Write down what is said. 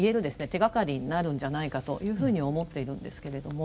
手がかりになるんじゃないかというふうに思っているんですけれども。